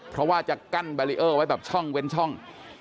เพราะว่าจะกั้นแบรีเออร์ไว้แบบช่องเว้นช่อง